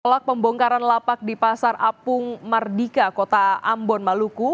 pelak pembongkaran lapak di pasar apung mardika kota ambon maluku